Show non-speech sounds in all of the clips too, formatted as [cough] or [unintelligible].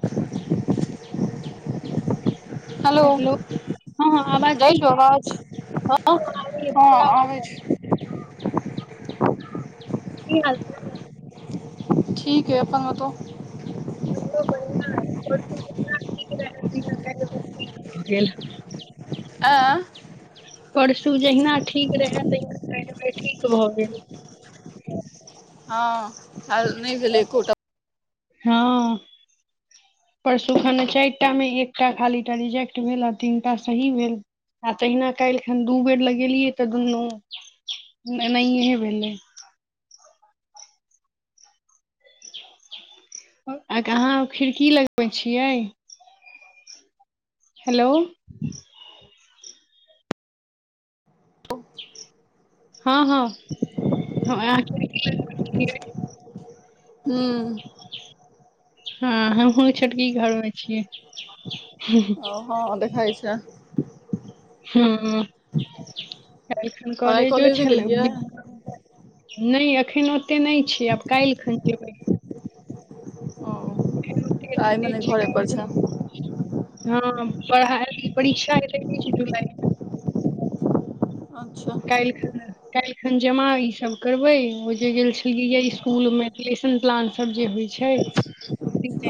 [unintelligible] Hello. हँ हँ आवाज जाइ छो जाइये अबाज, हँ आबै छैय। [unintelligible] की हाल चाल। ठीक ये, अपन बताउ। हमरो बढ़िआ ये। [unintelligible] अ परसू जहिना ठीक रहे तहिना करमे ठीक भऽ गेल। हँ आय न गेले एकोटा। हँ। परसू खने चाइरटा मे एकटा खालीटा रिजेक्ट भेल आ तीन टा सही भेल। आ तहिना काल्हिखन दू बेर लगेलियै तऽ दुन्नू एनाहये भेलै। आये क अहाँ खिड़की लगबै छियै। हेलो। [inaudible] हँ हँ, हं ऐह। हुं। हँ हमहुँ छोटकी घर मे छियै। ओ हँ देखाइ छै। हुं, काल्हिखन और आइ कालेजो कॉलेज नहि छलै। गेलियै नै एखन ओतेक नहि छै आब काल्हि खन जेबै‌। एखन ओते अथी ताइ नहि मने छै घर काल्हि पर खन छ। हँ पढ़ाई, परीक्षा छै जुलाई मे। अच्छा। काल्हि खन काल्हि खन जमा ई सब करबै ओ जे गेल छलियैये इसकुलमे। सेशन प्लान सब जे होइ छै।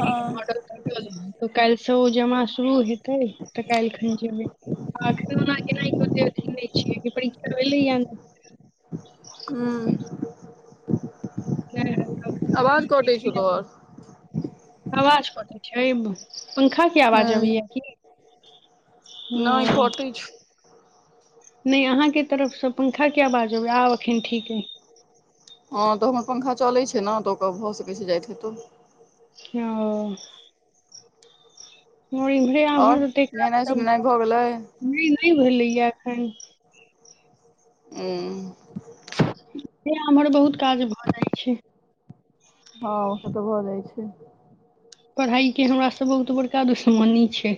हँ काल्हिसँ ओ जमा शुरू हेतै त काल्हि खन जेबै। आखिर ओना गेनाइ कोनो अथि नै छै, डेट छलैये। हुं। न आवाज कटै छौ तोहर [unintelligible] आवाज कते छै ऐ मे पंखा। के हूँ आवाज अबैये कि नहि हुं। कटै छै नहि अहाँके तरफसँ पंखा किया बाजब आब एखैन ठीक अछि। हँ त हमर पंखा चलैत छै ने त ओकर भ सकैत छै जाइत हेतइ। हं। आर इम्हरे और आमहर मे एते काज नहेनाइ सब, सोनेनाइ भऽ गेलै निंथ नहि भेलैए एखन। हुं। एम्हर आम्हर बहुत काज भ जाइ छै। हॅ से त भ जाइ छै। पढ़ाइके हमरा सबमे त बड़का दुश्मनी छै।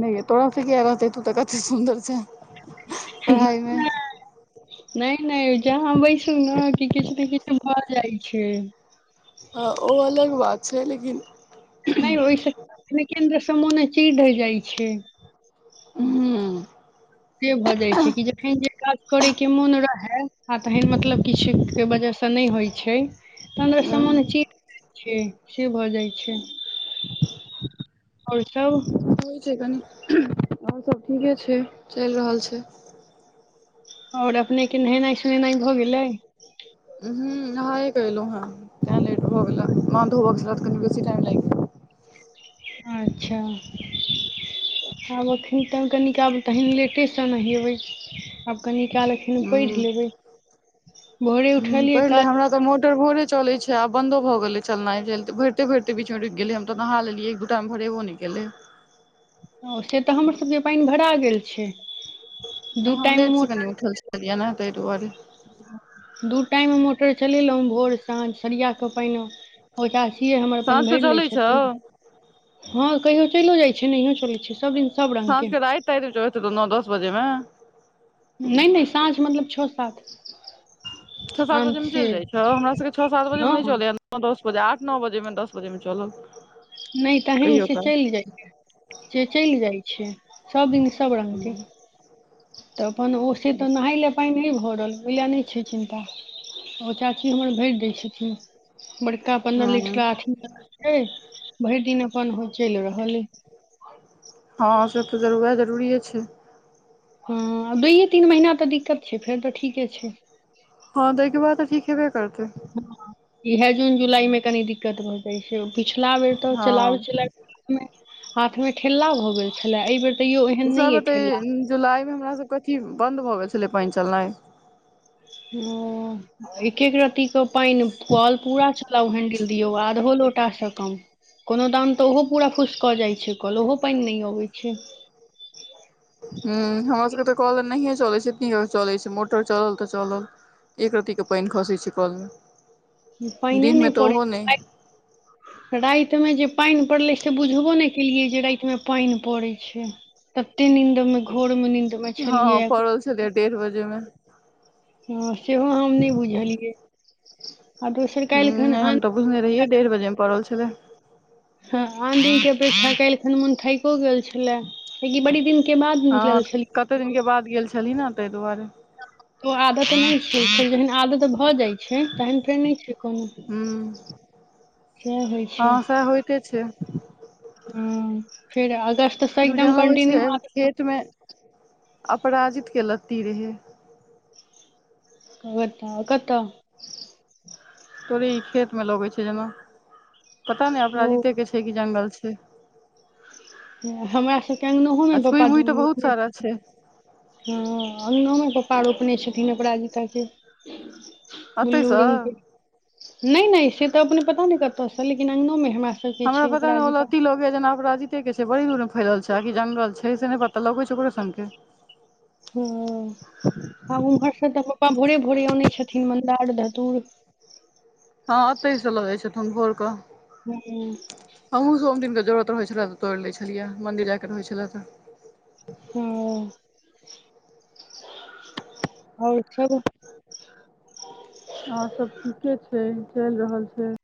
नहि यै तोड़ा से किया रहतै तु त कते सुन्दर छें। [unintelligible] नै नै जहाँ बैसु ने कि किछु ने किछु भ जाइ छै। हँ ओ अलग बात छै लेकिन नहि ओहि से, लेकिन सब मोने चीज द जाइत छै। हुं। से भए जाय छै कि जखन जे काज करै के मोन रहे आ तखन मतलब किछु के वजह से से नहि होइ छै तखन ओ ह सामान चल जाइ छै से भ जाइ छै। और सब। होइ छै कनि, और सब ठीके छै चलि रहल छै। और अपने के नहेनाइ सोनेनाइ भ गेलै हुं नहाएके एलहु हें तें लेट भ गेल, मार धोबक छले तैं कनि बेसी टाइम लागि गेल। अच्छा आब एखनि त कनि काल कनि लेटेसे नहेबै आब कनि काल एखैन पढ़ि ह लेबै। भोरे उठलियै पहिले काज हमरा तऽ मोटर भोरे चलै छै आब बन्दो भ गेलै चलनाइ, भरिते भरिते बीच मे ुकि गेलै हम त नहा लेलियै एक टाइम भरेबो नै केलै ओ से त हमर सभके पानि भरा गेल छै। नहि दू हम टाइम लेट से मोटर कनि उठल छलियै ने ताहि दुआरे। दू टाइममे मोटर चलेलहुँ। भोर, साँझ, सरिया कऽ पहिने। ओ चाचीये हमर अपन साँझके भरि लै चलै छौ छथिन। हँ कहियो चलो जाइत छै, नहियो चलैत छै, सभ दिन सब रंग के साझके राइत न दस बजे मे। नहिै- नहि साँझ, मतलब छ साात। छओ सात बजे मे चलि जै छौ, हमरा सबके छओ सात बजे हँ मे नहि चलैया। दस बजे, आठ नओ बजे मे, दस बजे में चलल। नहि तहन कहियो से काल चलि जाइय से, चलि जाइ छै। सब जिन सब रङंगग छै, तऽ अपन ओ से तऽ नहाले। पाइन नहि भरल, ओहि लए नहि छै चिन्ता, ओ चाची हमर भरि दै छथिन। बड़का पन्द्रह हूँ लिटरा छै, भरि दिन अपन चलि रहल अ। हँ सब तऽ जरू वएह जरूरिे छै। हँ, दुइयए तीन महिना तऽ दिक्कत छै, फेर तऽ ठीके छै। हँ तऽ ओके बाद तऽ ठीक हेबे करतै। हँ, इएह जून, जुलाई मे कनि दिक्कत भऽ जाइ छै, पिछला बेर तऽ हँ चलाब च हाथमे ठेला भऽ गेल छलए, एहिबेर तो एहन पिछला नहि अइ बेर ठेला। तऽ जुलाई मे हमरा सबके अथी बंन्द भऽ गेल छलै पानि चलनाइ। हु, एक एक राति कप। पानि कल पूरा छलउ हैंडिल दियौ, आधो लोटा से कम। कोनो टाइम तऽ ओहो पूरा फुस कऽ जाइत छै, कल ओहो पानि नहि अबैत छै। ह, हमर सभके तऽ कल नहिए चलैत छै, चलैत छै मोटर चलल तऽ चलल। एक रत्तीके पानि खसै छै कलमे। पाइने नहि परे नहि रातिमे जे पानि पड़लै से बुझबो नहि केलियै, जे रातिमे पानि पड़ैत छै। तते नींन्द में घोर मे नींन्द। हँ, पड़ै छलैयै डेढ़ बजे मे। ह सेहो हम नहि बुझलियै, आ दोसर काल्हि हूँ नहि हम खनआन तऽ, बुझने रहियै, डेढ़ बजे पड़ल छलै। ह, आन दिनक अपेक्षा कालहि खन मोन थाइको गेल छले, बड़ी दिन हँ, कते दिनके बाद गेल छली ने, ताहि दुआरे। त आदत नहि छै, जहन आदतऽ भऽ जाइ। छै, तहन फेर नहि छै कोनो। हूँ सेह होइ छै, हँ सएह होइते छै ह फेर अगस तस, ई एकदम जेना लगै कंटिन्यू छै आद खेत मे अपराजित के लत्ती रहै। बताह कतऽ। तोरे ई खेत में लगे छै जेना, पता ने ओ अपराजिते के छियै कि जंगल छै। हमरा सभके अङ्गनोहो ने आ छुइ प्पा मुइ द तऽ बहुत सारा छथि। छै हँ, अङ्गनामे पापा रोपने छथिन, अपराजिता के। बुल्लू एतैसँ रङ्गके। नहि- नहि से तऽ अपने पता नहि कत से, लेकिन अंगनो में हमरा सबके हमरा छै पता नहि होल अपराजिता लती लगे जन अपराजिते के छै, बड़ी दूर मे फैल छै, आ की जंगल छै? से नहि पता लगे छै ओकरो संग के। हु, आ उम्हरसँ तऽ पापा भोरे- भोरे अनै छथिन, मन्दार धतुर। हँ, एतहि से लजै छथुन भोर के। हू हू। हमहुँ स सोम दिनके जरूरत रहै छलै तोड़ि लै छलियै, मन्दिर जाकऽ रहै छलै तऽ। हु, और सब। आ सब ठीके छै, चलि रहल छै।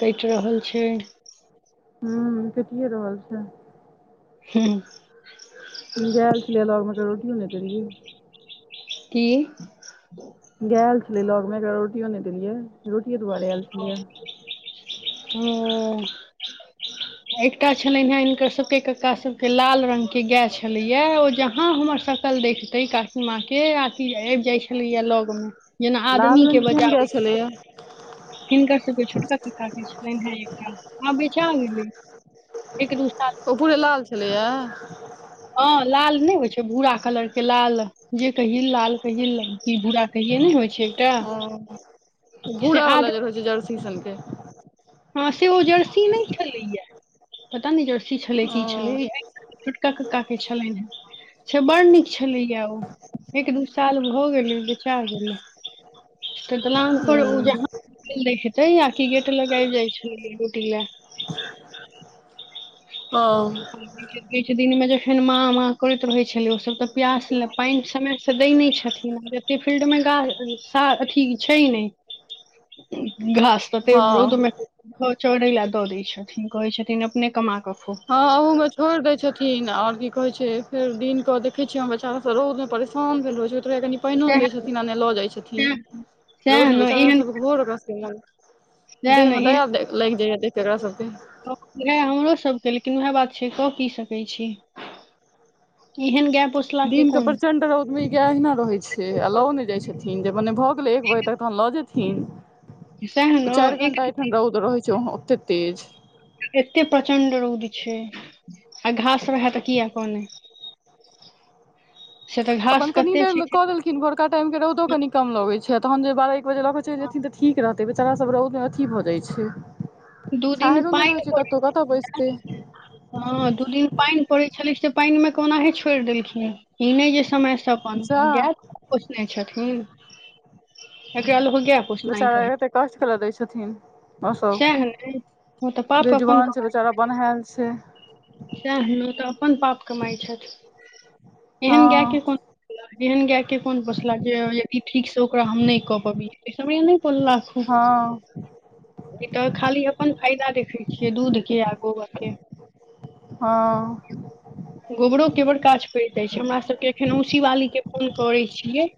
कऽइट रहल छै। हू, कैटिये रहल छै। हू। गैल छलिय लग मे, रोटीयो ने देलीये। की। गाय छलियै लग में एकरा रोटियो नहि देलियै, रोटिये दुबारे आयल छलयैे। हू [inaudible] एकटा छलनि हे, हिनकर सबके कक्का सब के लाल रंग के गाय छले या, ओ जहा हमर सकल देख तई काकिमाके, आथी ऐब जाइ छलैया लग मे, जेना लाल आदमी के रंग केहन गाय बजाबै छेलै। छलैया हिनका सबके छोटका कका के छलनि हे, एकटा आ बेचा गेलै, एक दो साल। ओ पूरे लाल छलैया? हँ, लाल नहि होइ छै, भूरा कलरके लाल। जे कहिय, लाल कहियै, की भूरा कहिये, ने होइ छै एकटा ओ से भूरा आद वालला जे रहे छै, जर्सी सन के। हँ, से जर्सी नहि छलैया, पता नहि जर्सी छलै की ओ छलै? छोटका कक्का के छलनि है। से बड़ नीक छेलैया ओ, एक-दू साल भ गेलै, बेचा गेलै। तऽ दलानपुर उ हूँ जहाँ खोईल दैत हेतै आ कि गेट लग चैल जाइ छेलियै रोटी लै। हँ। दिन में जखन माँ-माँ करैत रहै छेलै, ओसभ तऽ प्यास लए पाइन समय से दय नहि छथिन, आ एते फील्ड में गाछ सा अथी छै नै। [inaudible] घास तऽ ते रौद में। हँ ओ चौरै लै दऽ दै छथिन, कहै छथिन अपने कमा क खो। त छोइड़ दै छथिन, और की कहै छै, फेर दिन कऽ देखै छियै हम बच्चा सब रौद में परेशान भेल रहइ छै, ओय दुआरे कनि पइनो नहि सएह दय छथिन, आ नहि लऽ जाय छथिन, सएह सएह रौद में ने बेचारा एहन सबके घोर एकरा सबके मन। सएह देह ने में दया लागि जाइया देख क एकरा सबके इएह हमरो सभके, लेकिन उएह बात छै, कऽ की सकै छी। एहन गाय पोस दिन के प्रचंड रौद में, ई गै अहिना रहै छै, आ लओ नै जाइ छथि। खिन जे, मने भऽ गेलै एक बजे तक, तहन लऽ जेथिन। सएह ने चाइर एक घण्टा एठन रौद रहै छै, ओहो ओते तेज। एते प्रचंड रौद छै, आ घास रहै तऽ किया काने तऽ अपन घास कनि कते देर ल छै कऽ देलखिन, भोरका टाइम के रौदो कनि कम लगै छै, तहन जे बारह-एक बजे लऽ क चइल जेथिन तऽ ठीक रहतै, बेचारा सब रौद में अथी भऽ जाइ छै। दू दिन छाहयरो नै पानि रहै छै पड़ै कतौ, कतऽ बैसतै? हँ, दू दिन पाइन पड़ै छेलै से, पाइन में क ओनाही छोइड़ देलखिन। ई नहि जे समय स अपन सएह गै पोसने छथिन, एकरा लोग गैय बेचारा के एते कष्ट कैला दय छथिन, ओ सब सएह ने ओ तऽ पाप अपन बेजुवान छै कमाइ बे चारा बन्हएल छै। सएह न तऽ अपन पाप कमाइ छैथ, हँ एहन गै के कोन। एहन गै के कोन पोसलाह के यदि ठीक सँ ओकरा हम नहि कऽ पबियै, अय स बढ़ियां नहि पोसला। खूब हँ। ई तऽ खाली अपन फायदा देखै छियै, दूध के आ गोबर के। हँ। गोबरो के बर काज पइड़ जाइ छै, हमरा सभके एखन औसी वाली के फोन करै छियै।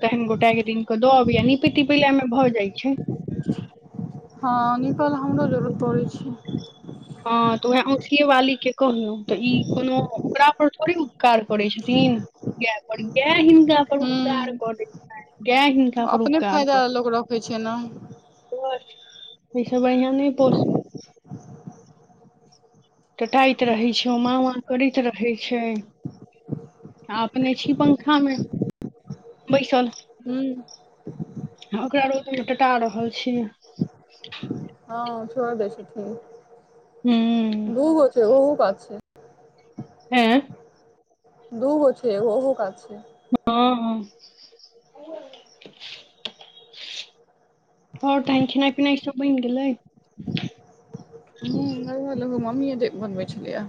तहन गोटैक दिन कऽ द अबैया निपै-तिपै वला में भऽ जाइ छै। हँ, निपल हमरो जरूरत पड़ै छै। हँ तऽ उएह औसिए वाली के कहलौं तऽ ई कोनो ओकरा पर थोड़ी उपकार करै छथिन। गै पर गै हिन। का पर उपकार हूँ क दै छैन, गै हिनका पर अपने उपकार फायदा क लोक रखै छै ने दै। ओइसे बढ़ियाँ नहि पोसु। टटाइत रहै छै, ओ माँ-वाँ करैत रहै छै। आ अपने छी पंखा में, बैसल। हूं। आ ओकरा रौद में टटा रहल छी। हँ छोइड़ दै छथीन। हूं। दूगो छै, ओहु कात छै। हैं। दूगो छै, एगो ओहू कात छै। हँ-हँ। और टाइम खेनाइ-पिनाइ सब बइन गेलै। हूं लगभग- लगभग मम्मीये बनबै छलियए।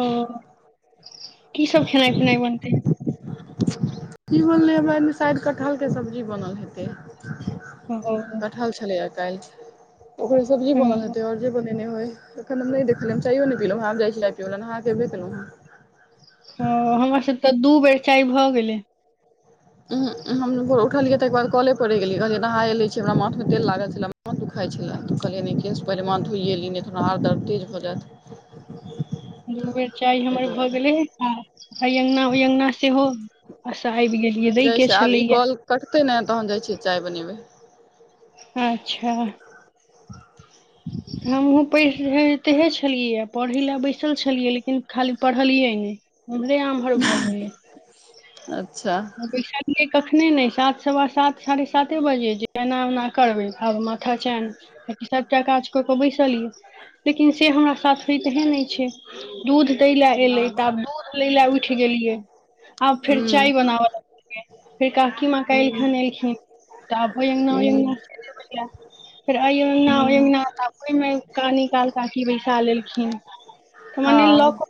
ओ की सब खेनाइ-पीनाइ बनतै। की बनलै हमरा एनी शायद कटहरके सब्जी बनल हेतै। ह ओ। कटहल छलैए काल्हि, ओकरे सब्जी हँ बनल हेतै आओर। जे बनेनै होय, अखन हम नहि देखलिय चायो नहि पिलौंहे, आब जाइ छी चाय पियैले, नहा के एबे केलों हें। ह हमर सब तऽ दू बेर चाय भऽ गेलै। उ हम उठलियै तकर बाद कले प परे गेलिय कहलियै नहाए लै छी, हमरा माथ में तेल लागल छलै। दुखाइ छलै, तऽ कहलियै ई केश पहिले माथ धोइएली नहि तऽ आर दर्द तेज भऽ जायत। दू बेर चाय हमर भऽ गेलै, हई अङ्गना ओई अङ्गना सेहो। अ सहइ रहियै। नइ जाइ छियै, आब ई कॉल कटतै ने तहन जाइ छियै चाय बनेबै। अच्छा। हमहूँ पढ़ितेहे छलियै, पढ़ै लए बैसल छलियै लेकिन खाली पढ़लियै नहि। ओमहरे-आमह। अच्छा। बैसलीेये कखने नहि, सात, सवा सात, साढ़े साते बजे जे एना-ओना करबै, आब माथा चैन। जे कि सभटा काज कऽ कऽ बैसलीए, लेकिन से हमरा साथ होइतहे नहि छै। दूध दै ले एलै हूँ तऽ आब दूध लै ल उठि गेलियै, आब फेर हूँ चाय। बनाबऽ फेर काकी माँ हूँ कल्हिखन एलखिन। तऽआब ओय अंगना, ओय हूँ अंगना। फेर अइ अंगना ओए अङ्गना आब ओहिमें कानी-काल काकी बैसा लेलखिन। त मने ल हँ क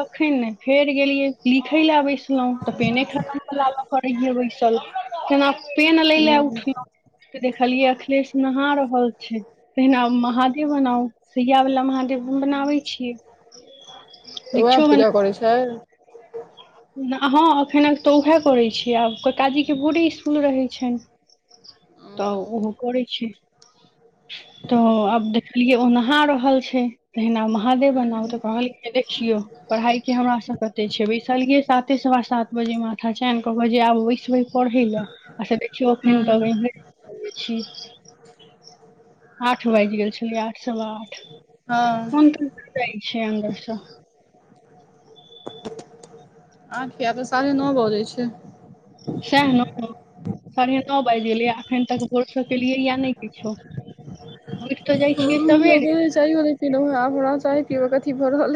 कखैन ने फेर गेलियै लिखै ले बैसलहुँ त पेने ख [unintelligible] ल के ओरियेबै सब केना पेन लै ले हूँ उठल त देखलियैए अखिलेश नहा रहल छै। पहिने आउ महादेव बनाउ सइया वला महादेव हम बनाबै छियै। वैह दीक्षो पूजा करै छै। हां एखैन त चौथा करैत छियै आब ककाजीके भोरे इसकुल रहैत छनि। त हूँ ओहो करै छी। त आब देखलियै ओ नहा रहल छै। तहिना महादेव बनाउ हूँ त कहलै देखियौ पढ़ाई के हमरा सब कते छेबै। चलियै साते सवा सात बजे माथा चैन क बजे आब बैसबै पढ़ै ले। आ से देखियौ अखैन तक हँ एम्हरे आठ बाजि गेल छलै आठ सवि आठ। मन्त्र कुरकुरे छै अन्दरसँ। आखि आब त साढ़े नओ बजै छै। सैह न। साढ़े नओ बाजि गेलैये अखन तक भोर से केलियैये नै किछो। उठि त जाइ छियै सवेरे चाययो नै पिलों हें आब हमरा चाय पीबा के अथि भ रहल अछि।